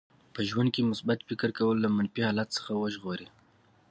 په ژوند کې مثبت فکر کول له منفي حالت څخه وژغوري.